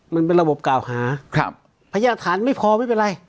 มันเป็นระบบกล่าวหาพยาฐานไม่พอไม่เป็นไร